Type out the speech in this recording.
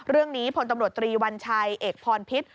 เรื่องนี้ผลตำรวจตรีวัญชัยเอกพรพิษ